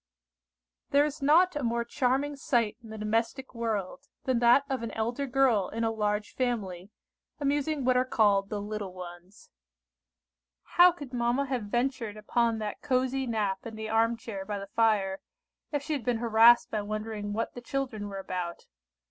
THERE is not a more charming sight in the domestic world, than that of an elder girl in a large family, amusing what are called the little ones. How could mamma have ventured upon that cosy nap in the arm chair by the fire, if she had been harassed by wondering what the children were about?